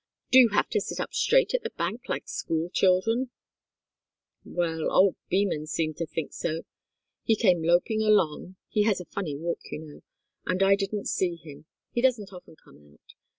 Do you have to sit up straight at the bank, like school children?" "Well old Beman seemed to think so. He came loping along he has a funny walk, you know and I didn't see him. He doesn't often come out.